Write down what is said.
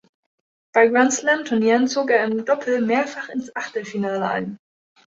Bei Grand-Slam-Turnieren zog er im Doppel mehrfach ins Achtelfinale ein.